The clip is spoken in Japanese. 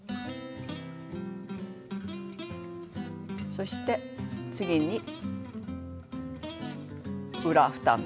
そして次に裏２目。